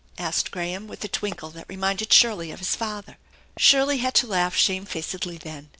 asked Graham, with a twinkle that reminded Shirley of his father. Shirley had to laugh shamefacedly then.